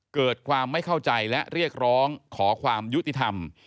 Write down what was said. เกิดความไม่เข้าใจและเรียกร้องขอความยุติธรรม